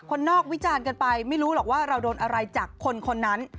คนนอกวิจารณ์กันไปไม่รู้หรอกว่าเราโดนอะไรจากคนนั้น